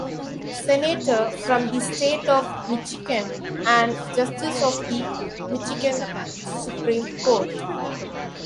Senator from the state of Michigan and Justice of the Michigan Supreme Court.